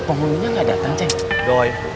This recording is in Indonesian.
penghuni nya gak datang